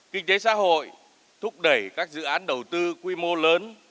kinh tế xã hội thúc đẩy các dự án đầu tư quy mô lớn